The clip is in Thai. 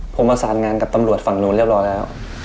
ผมมาศาลงานกับตำรวจฝังโน้นเรียวร้อยแล้ว